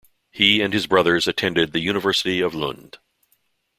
He and his brothers attended the University of Lund.